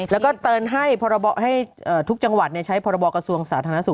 แล้วก็เตือนให้ทุกจังหวัดใช้พรบกระทรวงสาธารณสุข